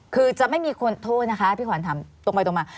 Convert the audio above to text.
คือจะไม่มีคนโทษนะคะพี่ขวัญถามตรงไปตรงมา